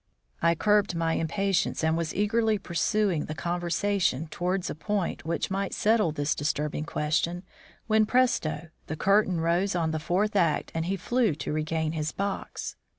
I curbed my impatience and was eagerly pursuing the conversation towards a point which might settle this disturbing question, when, presto! the curtain rose on the fourth act and he flew to regain his box.